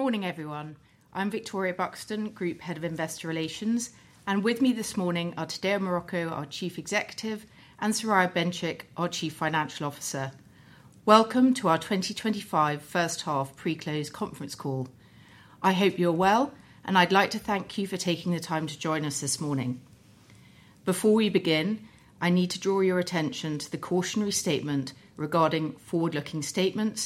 Good morning, everyone. I’m Victoria Buxton, Group Head of Investor Relations, and with me this morning are Tadeu Marroco, our Chief Executive, and Soraya Benchikh, our Chief Financial Officer. Welcome to our 2025 First Half Pre-Close Conference Call. I hope you’re well, and I’d like to thank you for taking the time to join us this morning. Before we begin, I need to draw your attention to the cautionary statement regarding forward-looking statements,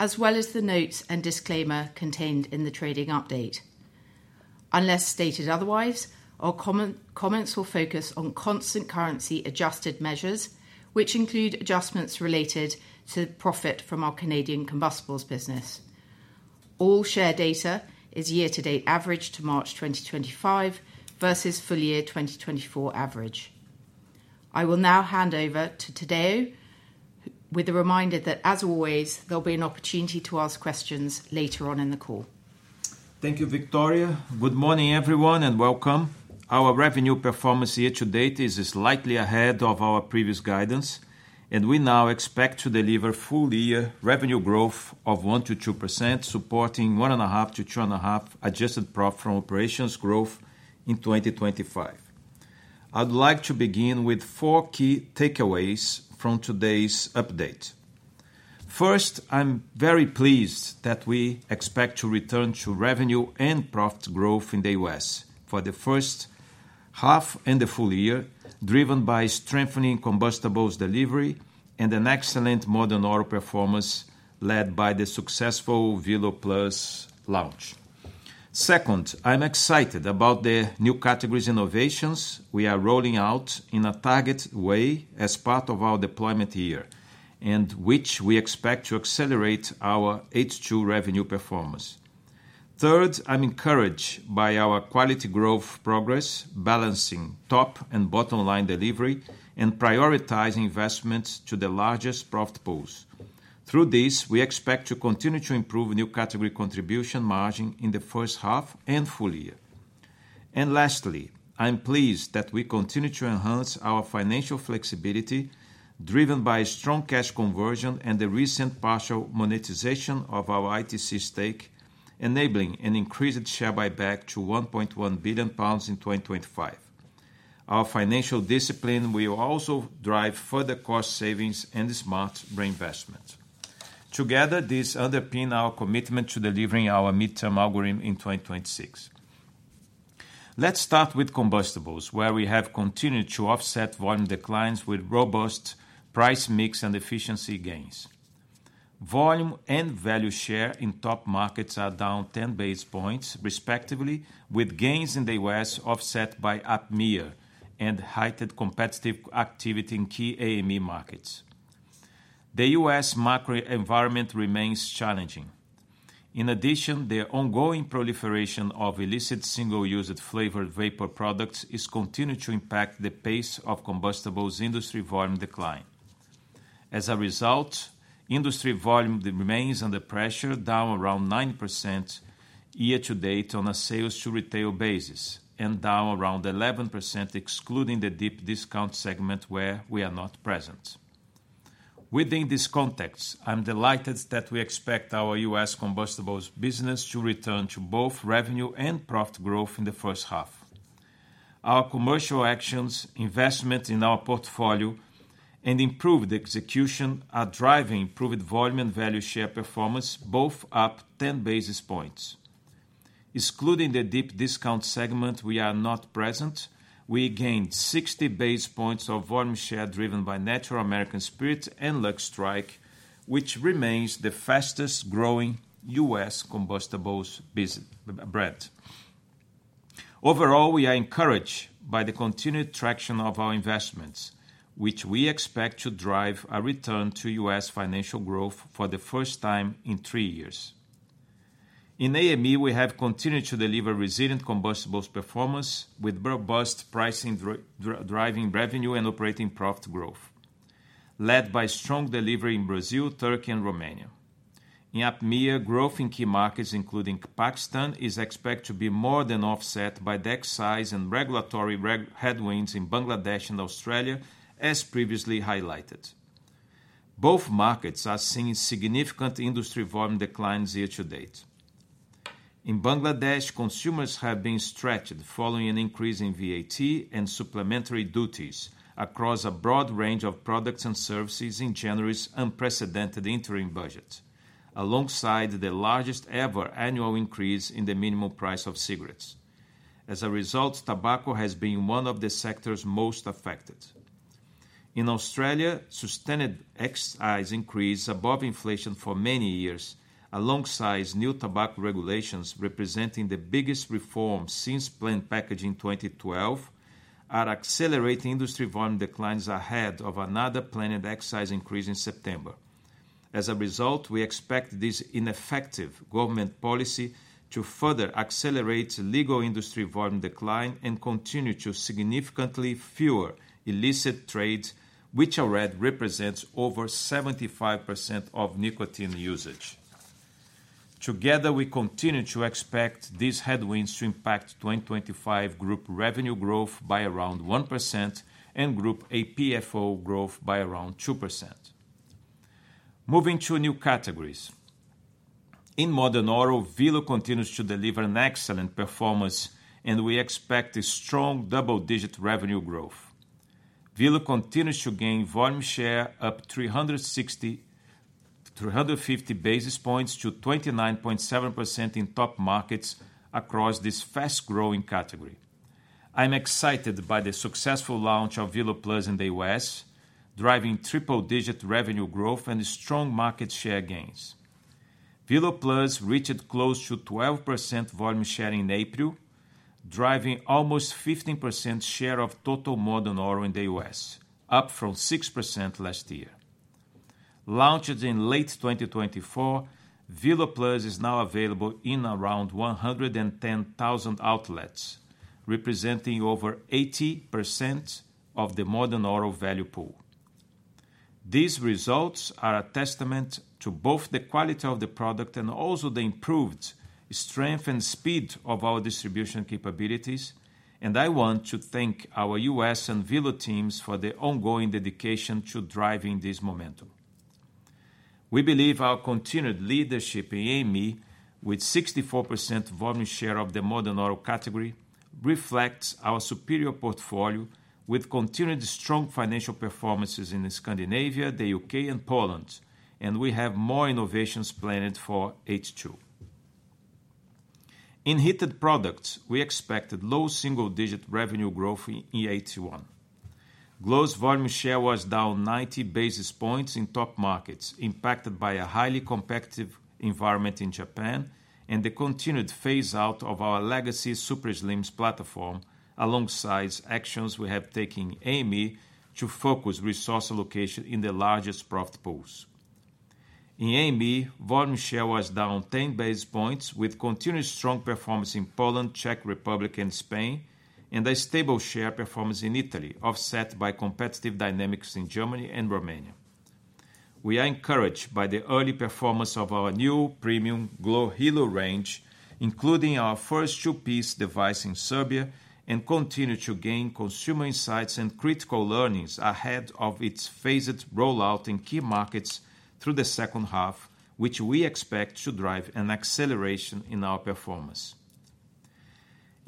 as well as the notes and disclaimer contained in the trading update. Unless stated otherwise, our comments will focus on constant currency-adjusted measures, which include adjustments related to profit from our Canadian combustibles business. All share data is year-to-date average to March 2025 versus full-year 2024 average. I will now hand over to Tadeu, with a reminder that, as always, there’ll be an opportunity to ask questions later on in the call. Thank you, Victoria. Good morning, everyone, and welcome. Our revenue performance year-to-date is slightly ahead of our previous guidance, and we now expect to deliver full-year revenue growth of 1–2%, supporting 1.5–2.5% adjusted profit from operations (APFO) growth in 2025. I’d like to begin with four key takeaways from today’s update. First, I’m very pleased that we expect to return to revenue and profit growth in the U.S. for the first half and the full year, driven by strengthening combustibles delivery and an excellent modern oral performance led by the successful Velo Plus launch. Second, I’m excited about the new categories’ innovations we are rolling out in a targeted way as part of our deployment year, and which we expect to accelerate our H2 revenue performance. Third, I’m encouraged by our quality growth progress, balancing top- and bottom-line delivery and prioritizing investments to the largest profit pools. Through this, we expect to continue to improve new category contribution margin in the first half and full year. Lastly, I’m pleased that we continue to enhance our financial flexibility, driven by strong cash conversion and the recent partial monetization of our ITC stake, enabling an increased share buyback to 1.1 billion pounds in 2025. Our financial discipline will also drive further cost savings and smart reinvestment. Together, this underpins our commitment to delivering our midterm algorithm in 2026. Let’s start with combustibles, where we have continued to offset volume declines with robust price mix and efficiency gains. Volume and value share in top markets are down 10 basis points respectively, with gains in the U.S. offset by AME and heightened competitive activity in key AME markets. The U.S. macro environment remains challenging. In addition, the ongoing proliferation of illicit single-use flavored vapor products is continuing to impact the pace of combustibles industry volume decline. As a result, industry volume remains under pressure, down around 9% year-to-date on a sales-to-retail basis and down around 11%, excluding the deep discount segment where we are not present. Within this context, I’m delighted that we expect our U.S. combustibles business to return to both revenue and profit growth in the first half. Our commercial actions, investment in our portfolio, and improved execution are driving improved volume and value share performance, both up 10 basis points. Excluding the deep discount segment, where we are not present, we gained 60 basis points of volume share driven by Natural American Spirit and Lucky Strike, which remains the fastest-growing U.S. combustibles brand. Overall, we are encouraged by the continued traction of our investments, which we expect to drive a return to U.S. financial growth for the first time in three years. In AME, we have continued to deliver resilient combustibles performance with robust pricing driving revenue and operating profit growth, led by strong delivery in Brazil, Turkey, and Romania. In APAC, growth in key markets, including Pakistan, is expected to be more than offset by pack size and regulatory headwinds in Bangladesh and Australia, as previously highlighted. Both markets are seeing significant industry volume declines year-to-date. In Bangladesh, consumers have been stretched following an increase in VAT and supplementary duties across a broad range of products and services in January’s unprecedented interim budget, alongside the largest-ever annual increase in the minimum price of cigarettes. As a result, tobacco has been one of the sectors most affected. In Australia, sustained excise increases above inflation for many years, alongside new tobacco regulations representing the biggest reform since plain packaging in 2012, are accelerating industry volume declines ahead of another planned excise increase in September. As a result, we expect this ineffective government policy to further accelerate legal industry volume decline and continue to significantly fuel illicit trade, which already represents over 75% of nicotine usage. Together, we continue to expect these headwinds to impact 2025 Group revenue growth by around 1% and Group APFO growth by around 2%. Moving to new categories. In modern oral, Velo continues to deliver an excellent performance, and we expect a strong double-digit revenue growth. Velo continues to gain volume share — up 350 basis points to 29.7% in top markets across this fast-growing category. I’m excited by the successful launch of Velo Plus in the U.S., driving triple-digit revenue growth and strong market share gains. Velo Plus reached close to 12% volume share in April, driving almost 15% share of total modern oral in the U.S., up from 6% last year. Launched in late 2024, Velo Plus is now available in around 110,000 outlets, representing over 80% of the modern oral value pool. These results are a testament to both the quality of the product and the improved strength and speed of our distribution capabilities, and I want to thank our U.S. and Velo teams for their ongoing dedication to driving this momentum. We believe our continued leadership in AME, with 64% volume share of the modern oral category, reflects our superior portfolio with continued strong financial performances in Scandinavia, the U.K., and Poland, and we have more innovations planned for H2. Gross volume share was down 90 basis points in top markets, impacted by a highly competitive environment in Japan and the continued phase-out of our legacy SuperSlims platform, alongside actions we have taken in AME to focus resource allocation in the largest profit pools. In AME, volume share was down 10 basis points, with continued strong performance in Poland, Czech Republic, and Spain, and a stable share performance in Italy, offset by competitive dynamics in Germany and Romania. We are encouraged by the early performance of our new premium Glow Halo range, including our first two-piece device in Serbia, and continue to gain consumer insights and critical learnings ahead of its phased rollout in key markets through the second half, which we expect to drive an acceleration in our performance.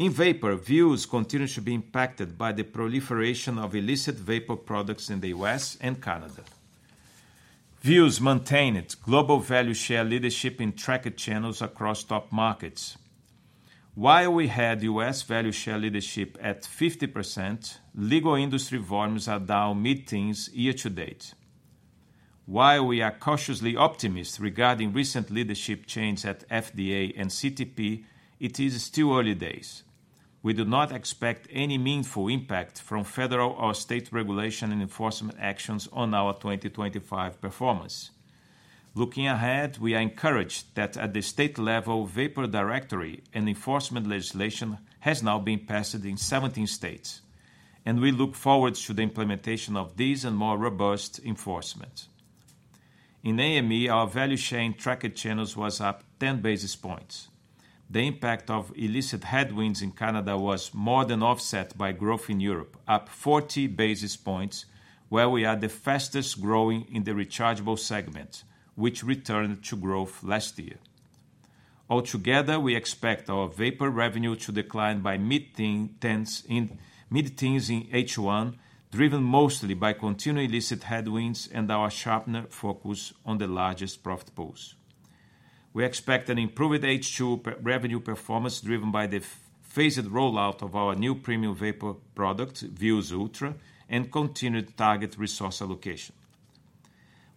Vuse maintained global value share leadership in tracked channels across top markets. While we had U.S. value share leadership at 50%, legal industry volumes are down mid-teens year-to-date. While we are cautiously optimistic regarding recent leadership changes at FDA and CTP, it is still early days. We do not expect any meaningful impact from federal or state regulation and enforcement actions on our 2025 performance. Looking ahead, we are encouraged that at the state level, vapor directory and enforcement legislation has now been passed in 17 states, and we look forward to the implementation of these and more robust enforcement. In AME, our value share in tracked channels was up 10 basis points. The impact of illicit headwinds in Canada was more than offset by growth in Europe, up 40 basis points, where we are the fastest-growing in the rechargeable segment, which returned to growth last year. Altogether, we expect our vapor revenue to decline by mid-teens in H1, driven mostly by continued illicit headwinds and our sharper focus on the largest profit pools. We expect an improved H2 revenue performance driven by the phased rollout of our new premium vapor product, Vuse Ultra, and continued targeted resource allocation.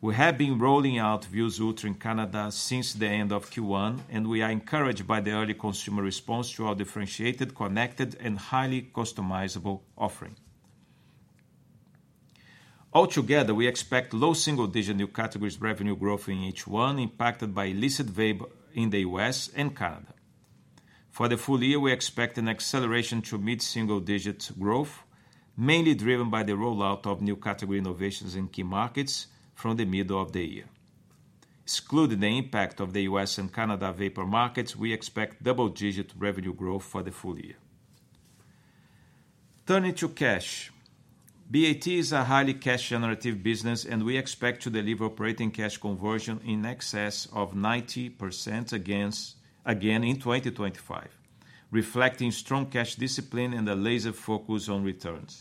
We have been rolling out Vuse Ultra in Canada since the end of Q1, and we are encouraged by the early consumer response to our differentiated, connected, and highly customizable offering. Altogether, we expect low single-digit new categories revenue growth in H1, impacted by illicit vapor in the U.S. and Canada. For the full year, we expect an acceleration to mid-single-digit growth, mainly driven by the rollout of new category innovations in key markets from the middle of the year. Excluding the impact of the illicit vapor, U.S. performance would be much stronger. Turning to cash, BAT is a highly cash-generative business, and we expect to deliver operating cash conversion in excess of 90% again in 2025, reflecting strong cash discipline and a laser focus on returns.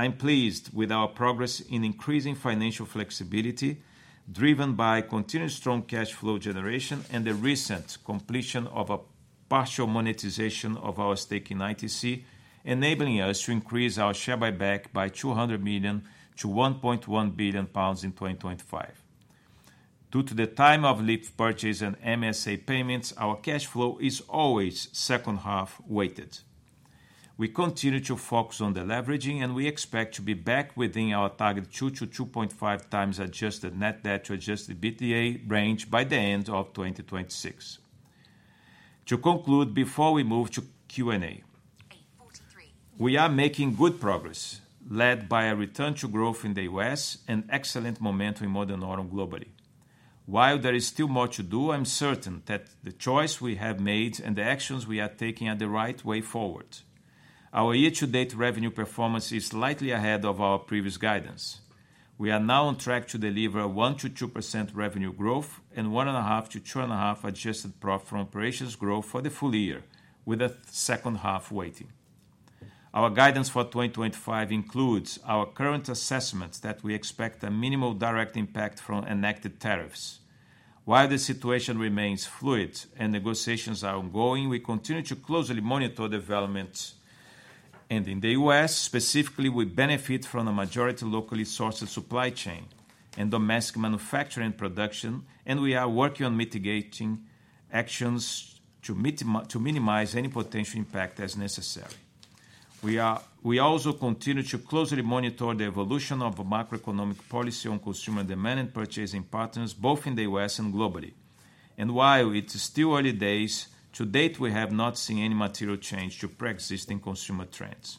I’m pleased with our progress in increasing financial flexibility, driven by continued strong cash flow generation and the recent completion of a partial monetization of our stake in ITC, enabling us to increase our share buyback by 200 million to 1.1 billion pounds in 2025. Due to the timing of leaf purchase and MSA payments, our cash flow is always second-half weighted. We continue to focus on deleveraging, and we expect to be back within our target 2–2.5 times adjusted net deb. To conclude, before we move to Q&A, we are making good progress, led by a return to growth in the U.S. and excellent momentum in modern oral globally. While there is still more to do, I’m certain that the choice we have made and the actions we are taking are the right way forward. Our year-to-date revenue performance is slightly ahead of our previous guidance. We are now on track to deliver 1–2% revenue growth and 1.5–2.5% adjusted profit from operations growth for the full year, with a second-half weighting. Our guidance for 2025 includes our current assessment that we expect a minimal direct impact from enacted tariffs. While the situation remains fluid and negotiations are ongoing, we continue to closely monitor developments. In the U.S., specifically, we benefit from a majority locally sourced supply chain and domestic manufacturing production, and we are working on mitigating actions to minimize any potential impact as necessary. We also continue to closely monitor the evolution of macroeconomic policy on consumer demand and purchasing patterns, both in the U.S. and globally. While it is still early days, to date, we have not seen any material change to pre-existing consumer trends.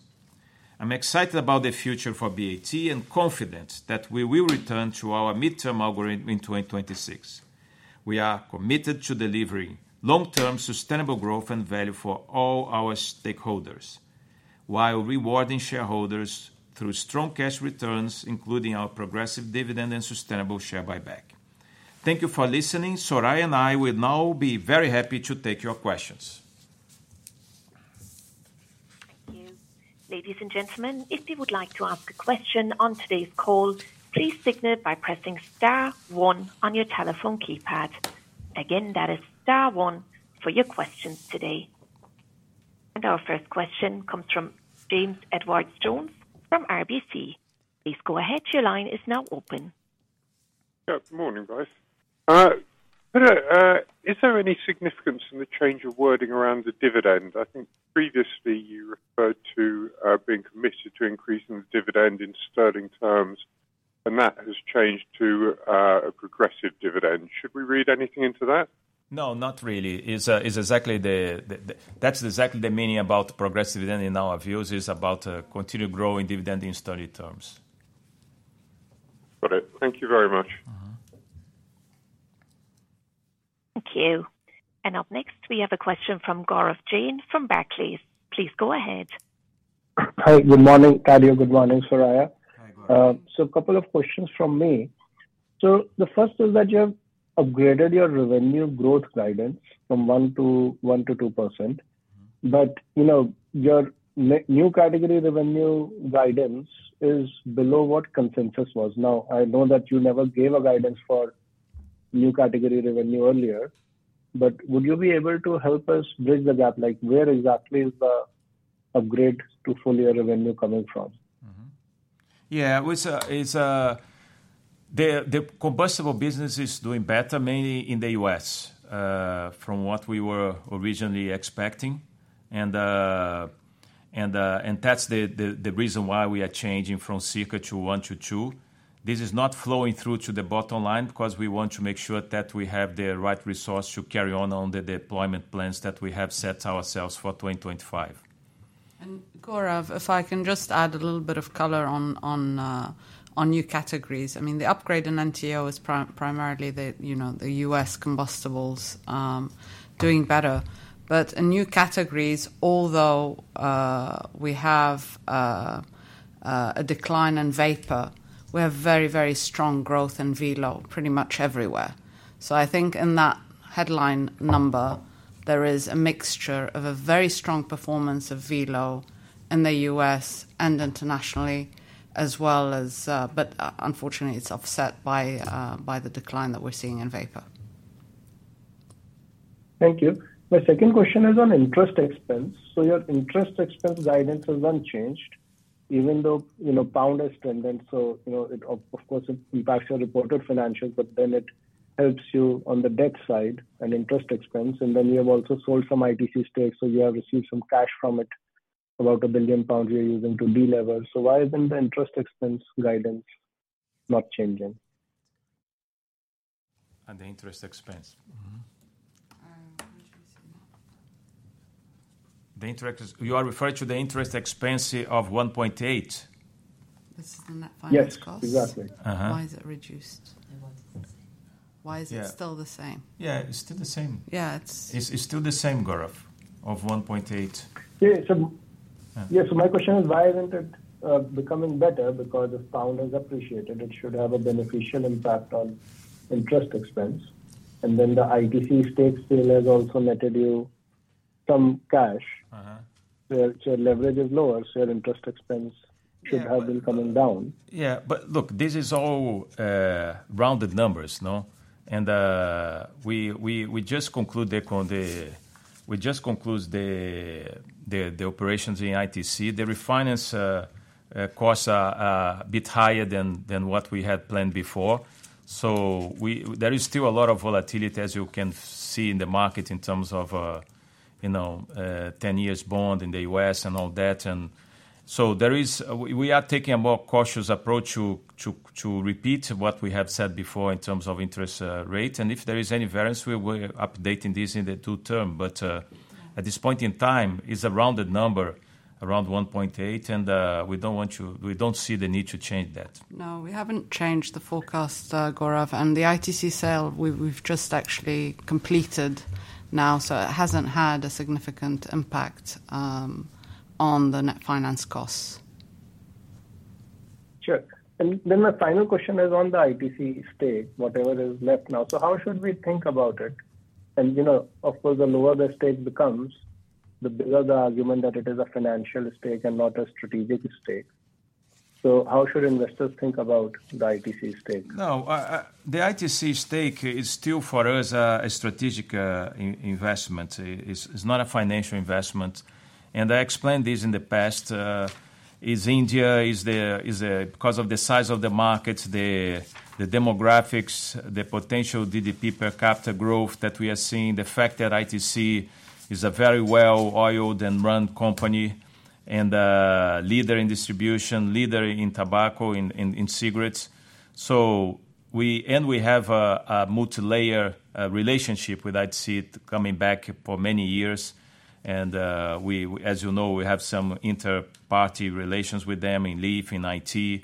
I am excited about the future for BAT and confident that we will return to our midterm algorithm in 2026. We are committed to delivering long-term sustainable growth and value for all our stakeholders, while rewarding shareholders through strong cash returns, including our progressive dividend and sustainable share buyback. Thank you for listening. Soraya and I will now be very happy to take your questions. Thank you. Ladies and gentlemen, if you would like to ask a question on today’s call, please signal by pressing Star One on your telephone keypad. Again, that is Star One for your questions today. Our first question comes from James Edwards from RBC. Please go ahead. Your line is now open. Good morning, guys. Is there any significance in the change of wording around the dividend? I think previously you referred to being committed to increasing the dividend in sterling terms, and that has changed to a progressive dividend. Should we read anything into that? No, not really. That’s exactly the meaning about progressive dividend in our views. It’s about continued growing dividend in sterling terms. Got it. Thank you very much. Thank you. Up next, we have a question from Gaurav Jain from Berkeley. Please go ahead. A couple of questions from me. The first is that you have upgraded your revenue growth guidance from 1–2%, but your new category revenue guidance is below what consensus was. I know that you never gave a guidance for new category revenue earlier, but would you be able to help us bridge the gap? Where exactly is the upgrade to full-year revenue coming from? The combustible business is doing better, mainly in the U.S., from what we were originally expecting. That is the reason why we are changing from CICA to 1–2%. This is not flowing through to the bottom line because we want to make sure that we have the right resources to carry on with the deployment plans that we have set for 2025. I mean, the upgrade in NTO is primarily the U.S. combustibles doing better. In new categories, although we have a decline in vapor, we have very, very strong growth in Velo pretty much everywhere. I think in that headline number, there is a mixture of a very strong performance of Velo in the U.S. and internationally, as well as, but unfortunately, it is offset by the decline that we are seeing in vapor. Thank you. My second question is on interest expense. Your interest expense guidance has unchanged, even though GBP has trended. Of course, it impacts your reported financials, but then it helps you on the debt side and interest expense. You have also sold some ITC stakes, so you have received some cash from it, about 1 billion pounds you are using to de-lever. Why is the interest expense guidance not changing? The interest expense? You are referring to the interest expense of 1.8 billion? That is in the final cost? Yes, exactly. Why is it reduced? Why is it still the same? Yeah, it is still the same, Gaurav, at 1.8 billion. My question is, why is it not becoming better? Because if the pound has appreciated, it should have a beneficial impact on interest expense. The ITC stake sale has also netted us some cash. Your leverage is lower, so your interest expense should have been coming down. This is all rounded numbers. We just concluded the operations in ITC. The refinance costs are a bit higher than what we had planned before. There is still a lot of volatility, as you can see in the market in terms of the 10-year bond in the U.S. and all that. We are taking a more cautious approach to repeat what we have said before in terms of interest rate. If there is any variance, we will update this in the due term. At this point in time, it is a rounded number, around 1.8, and we do not see the need to change that. No, we have not changed the forecast, Gaurav. The ITC sale, we have just actually completed now, so it has not had a significant impact on the net finance costs. Sure. The final question is on the ITC stake, whatever is left now. How should we think about it? Of course, the lower the stake becomes, the bigger the argument that it is a financial stake and not a strategic stake. How should investors think about the ITC stake? No, the ITC stake is still, for us, a strategic investment. It’s not a financial investment. I explained this in the past. It’s India because of the size of the markets, the demographics, and the potential GDP per capita growth that we are seeing. The fact is that ITC is a very well-oiled and well-run company and a leader in distribution and tobacco, in cigarettes. We have a multi-layer relationship with ITC coming back for many years. As you know, we have some inter-party relations with them in LEEF, in IT.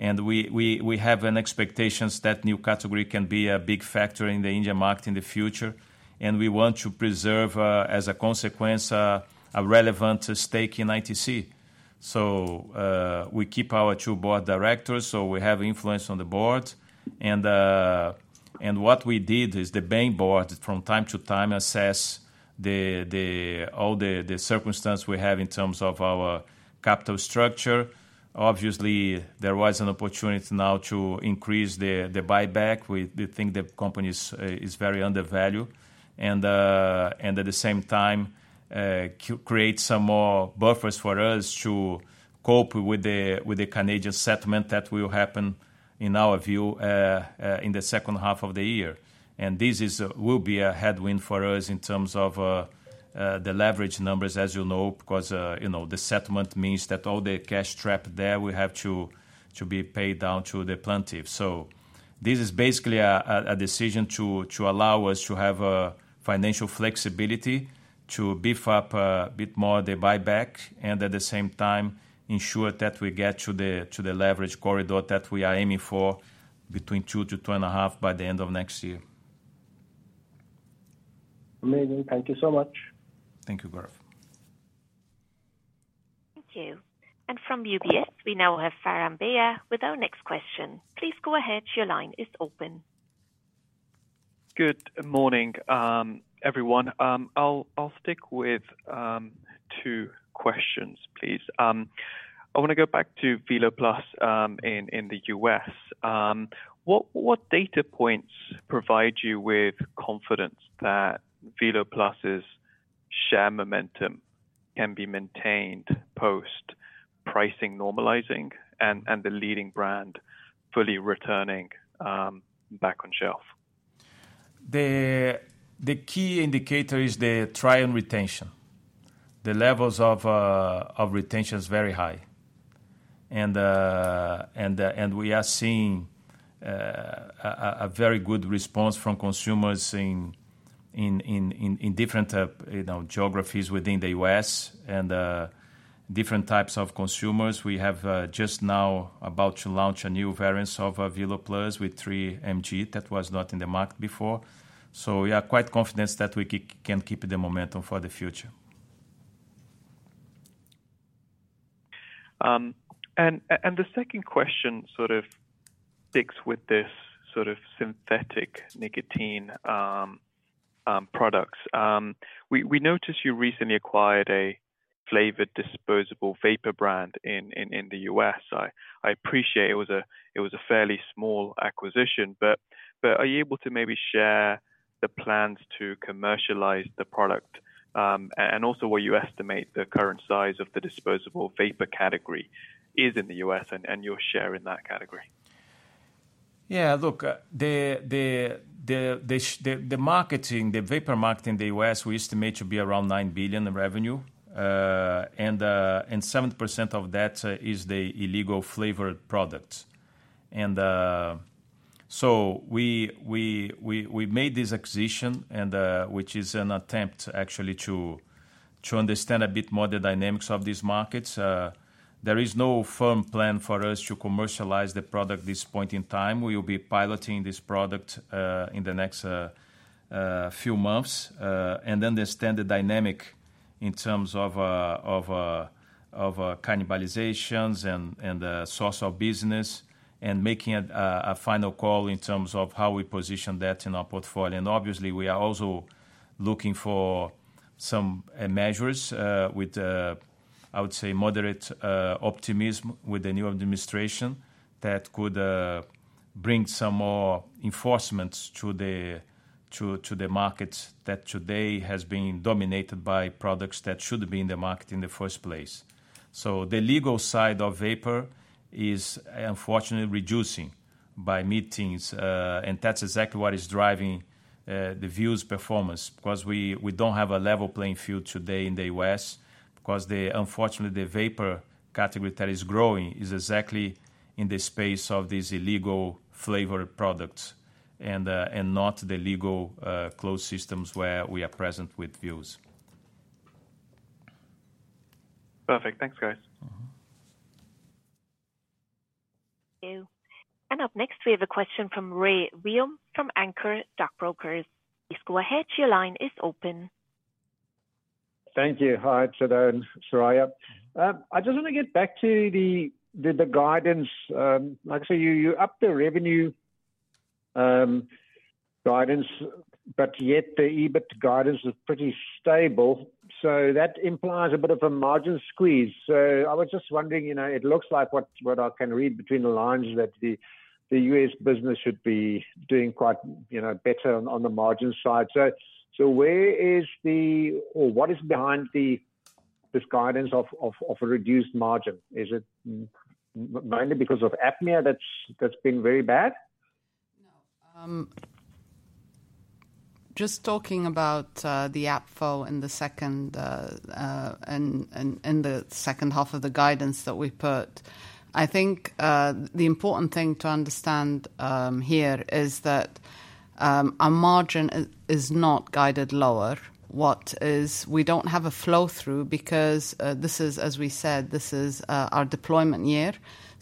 We have expectations that new categories can be a big factor in the Indian market in the future. We want to preserve, as a consequence, a relevant stake in ITC. We keep our two board directors, so we have influence on the board. What we did is the main board, from time to time, assesses all the circumstances we have in terms of our capital structure. Obviously, there was an opportunity now to increase the buyback. We think the company is very undervalued. At the same time, we created some more buffers for us to cope with the Canadian settlement that will happen, in our view, in the second half of the year. This will be a headwind for us in terms of the leverage numbers, as you know, because the settlement means that all the cash trapped there has to be paid down to the plaintiff. This is basically a decision to allow us to have financial flexibility, to beef up the buyback a bit more, and at the same time ensure that we get to the leverage corridor that we are aiming for between 2–2.5 by the end of next year. Amazing. Thank you so much. Thank you, Gaurav. From UBS, we now have Farhan Beyah with our next question. Please go ahead. Your line is open. Good morning, everyone. I’ll stick with two questions, please. I want to go back to Velo Plus in the U.S. What data points provide you with confidence that Velo Plus’s share momentum can be maintained post-pricing normalizing and the leading brand fully returning back on shelf? The key indicator is the try-on retention. The levels of retention are very high. We are seeing a very good response from consumers in different geographies within the U.S. and different types of consumers. We are just now about to launch a new variant of Velo Plus with 3 mg that was not in the market before. We are quite confident that we can keep the momentum for the future. The second question is about sticks with this sort of synthetic nicotine products. We noticed you recently acquired a flavored disposable vapor brand in the U.S. I appreciate it was a fairly small acquisition, but are you able to maybe share the plans to commercialize the product and also what you estimate the current size of the disposable vapor category is in the U.S., and your share in that category? Yeah, look, the vapor market in the U.S., we estimate to be around $9 billion in revenue. Seven percent of that is the illegal flavored vapor products. We made this acquisition, which is an attempt to understand a bit more of the dynamics of these markets. There is no firm plan for us to commercialize the product at this point in time. We will be piloting this product in the next few months and understanding the dynamic in terms of cannibalizations and source of business as well as the incremental trial in terms of how we position it in our portfolio. Obviously, we are also looking for some measures that would, I would say, moderate optimism with the new administration that could bring some more enforcement to the market that today has been dominated by products that should not be in the market in the first place. The legal side of vapor is unfortunately reducing by meetings. That’s exactly what is driving Velo’s performance because we do not have a level playing field today in the U.S.; because, unfortunately, the vapor category that is growing is exactly in the space of these illegal flavored products and not the legal closed systems where we are present with Velo. Perfect. Thanks, guys. Thank you. Up next, we have a question from Ray Wheel from Anchor SB. Please go ahead. Your line is open. Thank you. Hi, Soraya. I just want to get back to the guidance. Actually, you upped the revenue guidance, but yet the EBIT guidance is pretty stable. That implies a bit of a margin squeeze. I was just wondering, it looks like what I can read between the lines is that the U.S. business should be doing quite a bit better on the margin side. Where is the — or what is behind this guidance of a reduced margin? Is it mainly because of APFO that has been very bad? No. Just talking about the APFO in the second half of the guidance that we put, I think the important thing to understand here is that our margin is not guided lower. We do not have a flow-through because, as we said, this is our deployment year.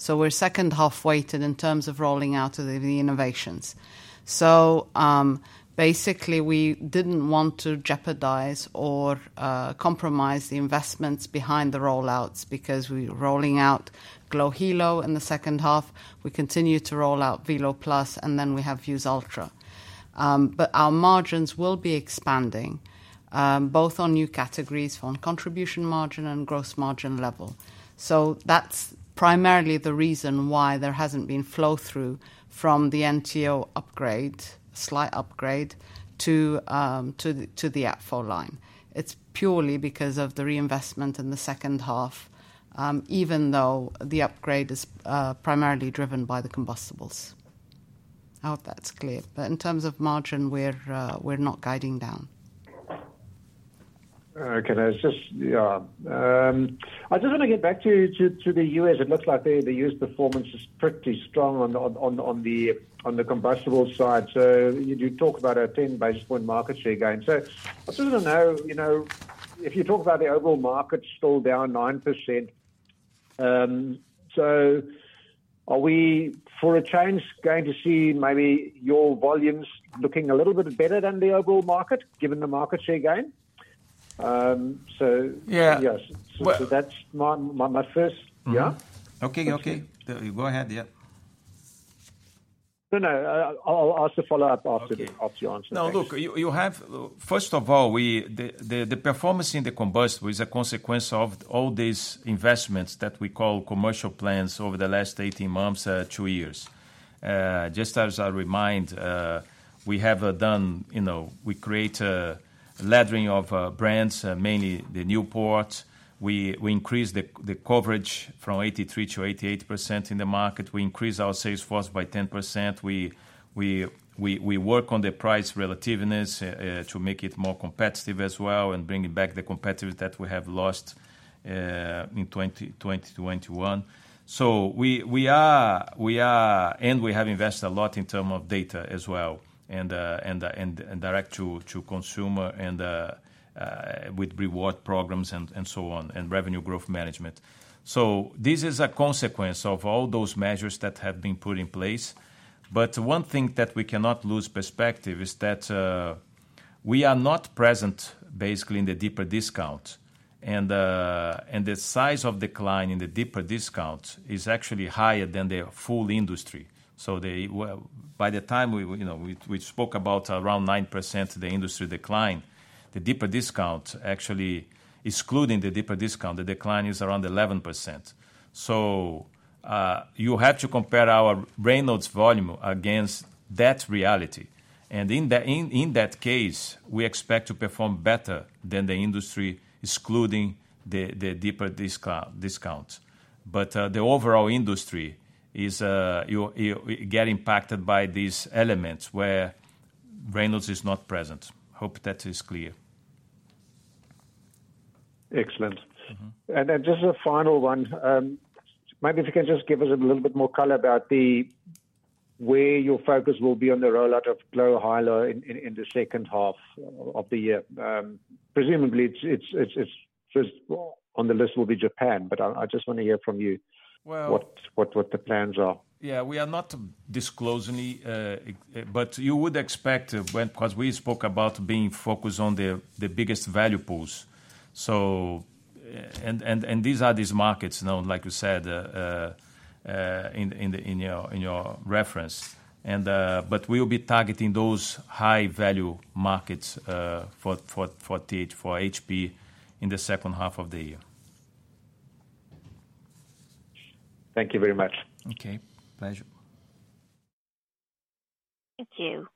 We are second-half weighted in terms of rolling out the innovations. Basically, we did not want to jeopardize or compromise the investments behind the rollouts because we are rolling out Glow Halo in the second half. We continue to roll out Velo Plus, and then we have Velo Ultra. Our margins will be expanding, both on new categories on contribution margin and gross margin level. That’s primarily the reason why there hasn’t been flow-through from the NTO upgrade, slight upgrade to the APFO line. It’s purely because of the reinvestment in the second half, even though the upgrade is primarily driven by the combustibles. I hope that’s clear. In terms of margin, we’re not guiding down. Okay, guys. I just want to get back to the U.S. It looks like the U.S. performance is pretty strong on the combustible side. You talk about a 10 basis point market share gain. I just want to know, if you talk about the overall market still down 9%, are we, for a change, going to see maybe your volumes looking a little bit better than the overall market, given the market share gain? Yes, that’s my first. Yeah? Okay, go ahead. I’ll ask the follow-up after your answer. No, look, first of all, the performance in the combustibles is a consequence of all these investments that we call commercial plans over the last 18 months, two years. Just as a reminder, we have done, we create a laddering of brands, mainly the Newport. We increased the coverage from 83% to 88% in the market. We increased our sales force by 10%. We work on the price relativeness to make it more competitive as well and bringing back the competitive that we have lost in 2021. We are, and we have invested a lot in terms of data as well and direct-to-consumer and with reward programs and so on and on revenue growth management. This is a consequence of all those measures that we have put in place. One thing that we cannot lose perspective of is that we are not present, basically, in the deeper discount. The size of the decline in the deeper discount is actually higher than the full industry. By the time we spoke about around 9%, the industry declined. The deeper discount, actually excluding the deeper discount, the decline is around 11%. You have to compare our brand loads volume against that reality. In that case, we expect to perform better than the industry, excluding the deeper discount. The overall industry is getting impacted by these elements where brand loads is not present. I hope that is clear. Excellent. Just a final one. Maybe if you can just give us a little bit more color about where your focus will be on the rollout of Glow Halo in the second half of the year. Presumably, first on the list will be Japan, but I just want to hear from you what the plans are. Yeah, we are not disclosing it, but you would expect because we spoke about being focused on the biggest value pools. These are these markets, like you said in your reference. We will be targeting those high-value markets for HP in the second half of the year. Thank you very much. Okay. Pleasure. Thank you.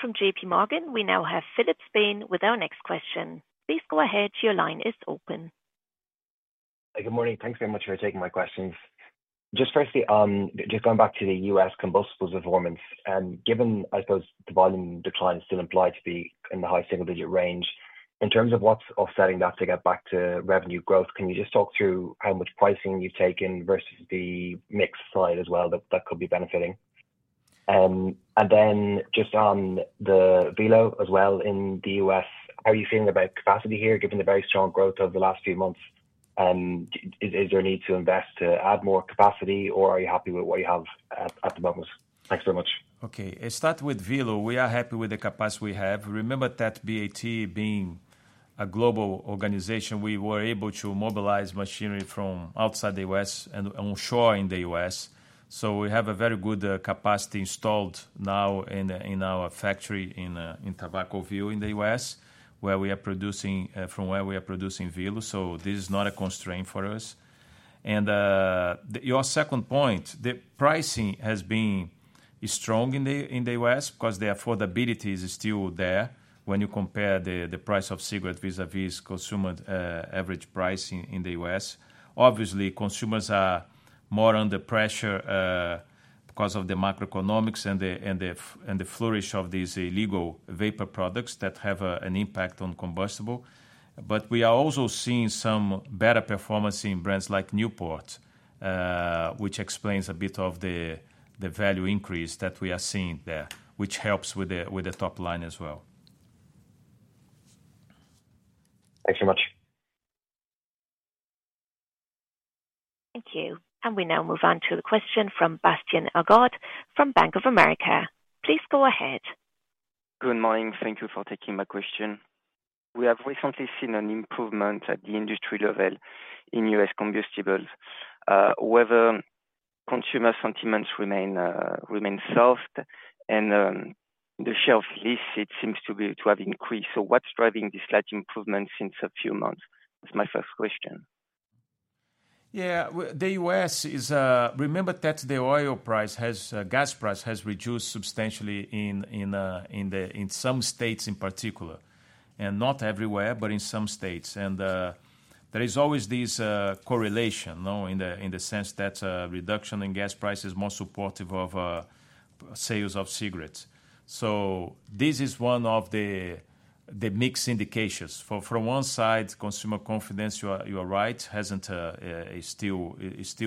From JP Morgan, we now have Philips Bain with our next question. Please go ahead. Your line is open. Good morning. Thanks very much for taking my questions. Just firstly, just going back to the U.S. Combustibles performance, given I suppose the volume decline is still implied to be in the high single-digit range, in terms of what is offsetting that to get back to revenue growth, can you just talk through how much pricing you have taken versus the mix side as well that could be benefiting? And then just on the Velo as well in the U.S., how are you feeling about capacity here given the very strong growth over the last few months? Is there a need to invest to add more capacity, or are you happy with what you have at the moment? Thanks very much. Okay, it starts with Velo. We are happy with the capacity we have. Remember that BAT, being a global organization, we were able to mobilize machinery from outside the U.S. and onshore in the U.S. We have a very good capacity installed now in our factory in Tobacco View in the U.S., where we are producing Velo. This is not a constraint for us. Your second point, the pricing has been strong in the U.S. because the affordability is still there when you compare the price of cigarettes vis-à-vis consumer average price in the U.S. Obviously, consumers are more under pressure because of the macroeconomics and the flourish of these illegal vapor products that have an impact on combustibles. We are also seeing some better performance in brands like Newport, which explains a bit of the value increase that we are seeing there, which helps with the top line as well. Thanks very much. Thank you. We now move on to the question from Bastian Augard from Bank of America. Please go ahead. Good morning. Thank you for taking my question. We have recently seen an improvement at the industry level in U.S. combustibles. Whether consumer sentiments remain soft and the share of lease, it seems to have increased. What’s driving this slight improvement since a few months? That’s my first question. Yeah, the U.S. is. Remember that the oil price, gas price has reduced substantially in some states in particular, and not everywhere, but in some states. There is always this correlation in the sense that a reduction in gas price is more supportive of sales of cigarettes. This is one of the mixed indications. From one side, consumer confidence, you are right, is still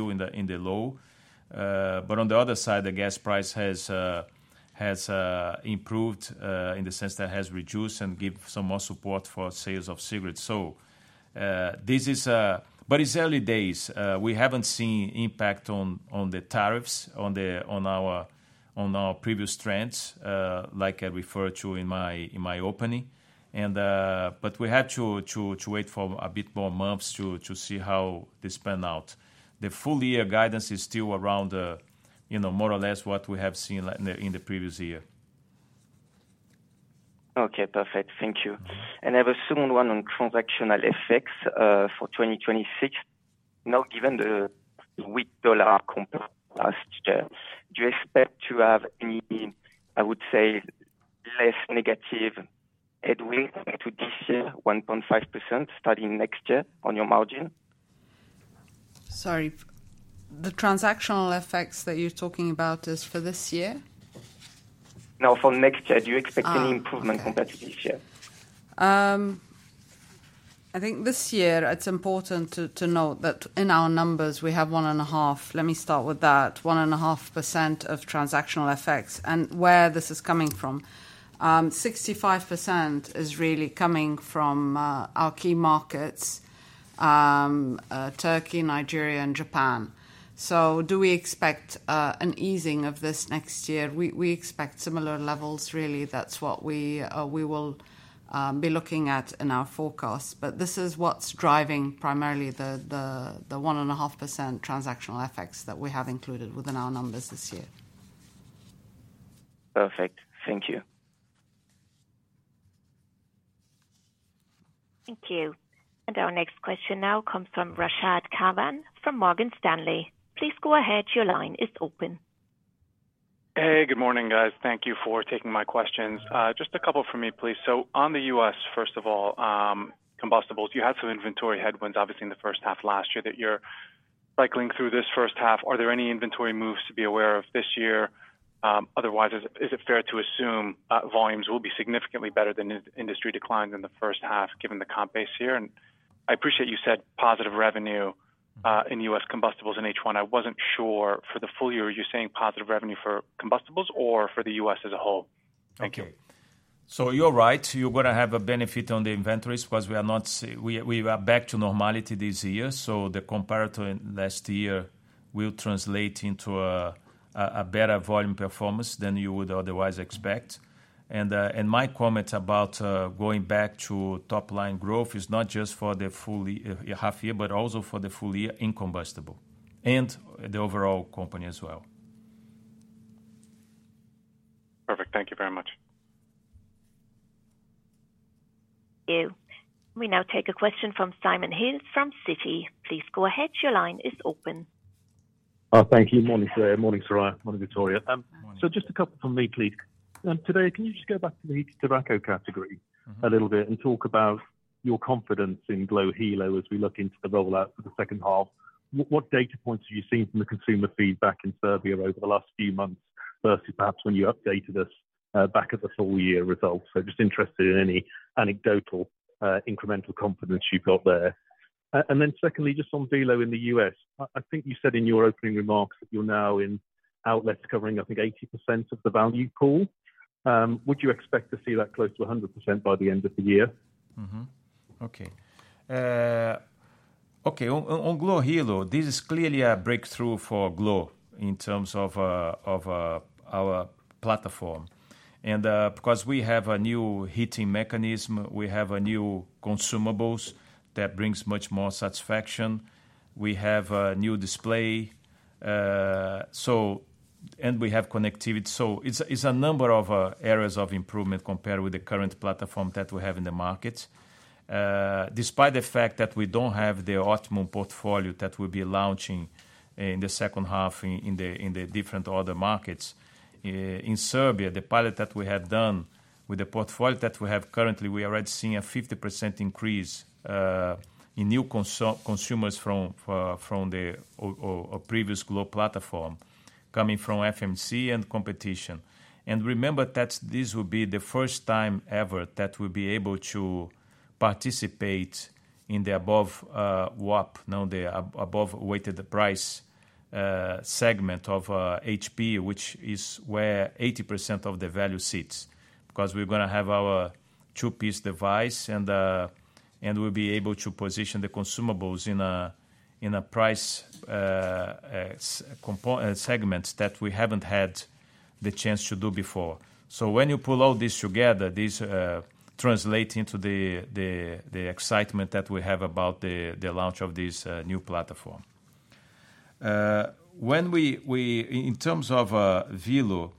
on the low. On the other side, the gas price has improved in the sense that it has reduced and gives some more support for sales of cigarettes. This is, but it’s early days. We haven’t seen impact on the tariffs on our previous trends, like I referred to in my opening. We have to wait for a bit more months to see how this pans out. The full-year guidance is still around more or less what we have seen in the previous year. Okay, perfect. Thank you. I have a second one on transactional effects for 2026. Now, given the weak dollar compared to last year, do you expect to have any, I would say, less negative headwinds this year, 1.5% starting next year on your margin? Sorry. The transactional effects that you’re talking about is for this year? No, for next year. Do you expect any improvement compared to this year? I think this year, it’s important to note that in our numbers, we have one and a half. Let me start with that. One and a half percent of transactional effects. Where is this coming from? 65% is really coming from our key markets, Turkey, Nigeria, and Japan. Do we expect an easing of this next year? We expect similar levels, really. That is what we will be looking at in our forecast. This is what is driving primarily the one and a half percent transactional effects that we have included within our numbers this year. Perfect. Thank you. Thank you. Our next question now comes from Rashad Kavan from Morgan Stanley. Please go ahead. Your line is open. Hey, good morning, guys. Thank you for taking my questions. Just a couple for me, please. On the U.S., first of all, combustibles, you had some inventory headwinds, obviously, in the first half last year that you are cycling through this first half. Are there any inventory moves to be aware of this year? Otherwise, is it fair to assume volumes will be significantly better than industry decline in the first half given the comp base here? I appreciate you said positive revenue in U.S. combustibles in H1. I was not sure for the full year. Are you saying positive revenue for combustibles or for the U.S. as a whole? Thank you. You are right. You are going to have a benefit on the inventories because we are back to normality this year. The comparator last year will translate into a better volume performance than you would otherwise expect. My comment about going back to top line growth is not just for the half year, but also for the full year in combustibles and the overall company as well. Perfect. Thank you very much. Thank you. We now take a question from Simon Hughes from Citi. Please go ahead. Your line is open. Thank you. Morning, Soraya. Morning, Victoria. Just a couple for me, please. Today, can you just go back to the tobacco category a little bit and talk about your confidence in Glow Halo as we look into the rollout for the second half? What data points have you seen from the consumer feedback in Serbia over the last few months versus perhaps when you updated us back at the full-year results? Just interested in any anecdotal incremental confidence you've got there. And then secondly, just on Velo in the U.S., I think you said in your opening remarks that you're now in outlets covering, I think, 80% of the value pool. Would you expect to see that close to 100% by the end of the year? Okay. Okay. On Glow Halo, this is clearly a breakthrough for Glow in terms of our platform. Because we have a new heating mechanism, we have new consumables that bring much more satisfaction. We have a new display. We have connectivity. It is a number of areas of improvement compared with the current platform that we have in the market. Despite the fact that we do not have the optimum portfolio that we will be launching in the second half in the different other markets, in Serbia, the pilot that we have done with the portfolio that we have currently, we are already seeing a 50% increase in new consumers from the previous Glow platform coming from FMC and competition. Remember that this will be the first time ever that we'll be able to participate in the above-weighted price segment of HP, which is where 80% of the value sits because we're going to have our two-piece device and we'll be able to position the consumables in a price segment that we haven't had the chance to do before. When you pull all this together, this translates into the excitement that we have about the launch of this new platform. In terms of Velo,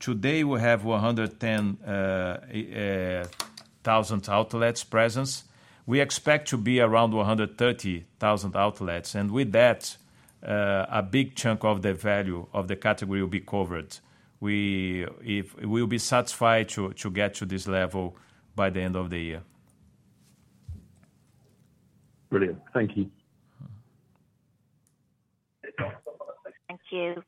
today we have 110,000 outlets present. We expect to be around 130,000 outlets. With that, a big chunk of the value of the category will be covered. We will be satisfied to get to this level by the end of the year. Brilliant. Thank you. Thank you.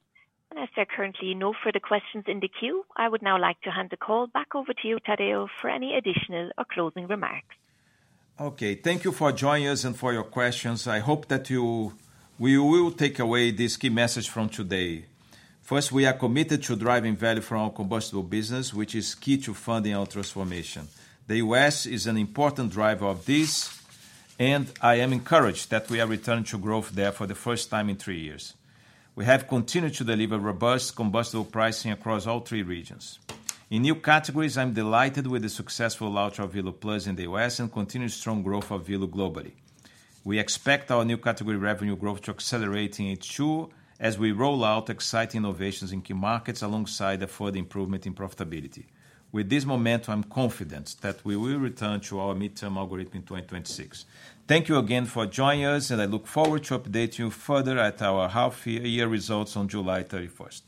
As there are currently no further questions in the queue, I would now like to hand the call back over to you, Tadeu, for any additional or closing remarks. Thank you for joining us and for your questions. I hope that we will take away this key message from today. First, we are committed to driving value for our combustible business, which is key to funding our transformation. The U.S. is an important driver of this, and I am encouraged that we are returning to growth there for the first time in three years. We have continued to deliver robust combustible pricing across all three regions. In new categories, I am delighted with the successful launch of Velo Plus in the U.S. and continued strong growth of Velo globally. We expect our new category revenue growth to accelerate in H2 as we roll out exciting innovations in key markets alongside further improvement in profitability. With this momentum, I'm confident that we will return to our midterm algorithm in 2026. Thank you again for joining us, and I look forward to updating you further at our half-year results on July 31st.